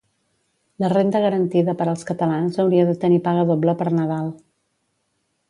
La renda garantida per als catalans hauria de tenir paga doble per Nadal.